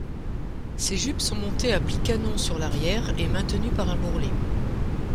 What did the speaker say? Ces jupes sont montées à plis canons sur l'arrière, et maintenus par un bourrelet.